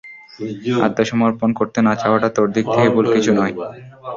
আত্মসমর্পণ করতে না চাওয়াটা তোর দিক থেকে ভুল কিছু নয়।